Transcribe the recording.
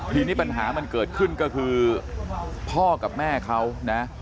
ทีนี้ปัญหามันเกิดขึ้นก็คือพ่อกับแม่เขานะ